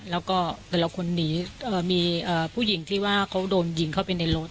แล้วก็แต่เราคนนีเอ่อมีเอ่อผู้หญิงที่ว่าเขาโดนยิงเข้าไปในรถ